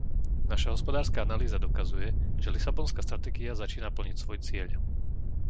Naša hospodárska analýza dokazuje, že lisabonská stratégia začína plniť svoj cieľ.